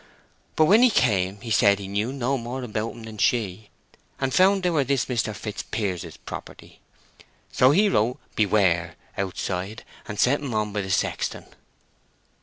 But when he came he said he knew no more about 'em than she; and found they were this Mr. Fitzpier's property. So he wrote 'Beware!' outside, and sent 'em on by the sexton."